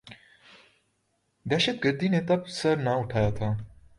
دہشت گردی نے تب سر نہ اٹھایا تھا۔